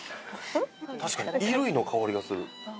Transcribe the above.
確かに衣類の香りがする。